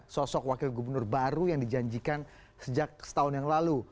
sosok wakil gubernur baru yang dijanjikan sejak setahun yang lalu